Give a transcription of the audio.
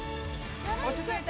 落ち着いて！